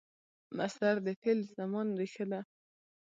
مصدر د فعل د زمان ریښه ده.